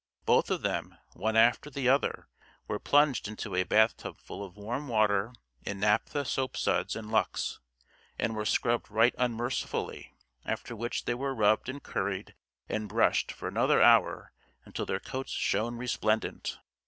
Both of them, one after the other, were plunged into a bath tub full of warm water and naphtha soap suds and Lux; and were scrubbed right unmercifully, after which they were rubbed and curried and brushed for another hour until their coats shone resplendent.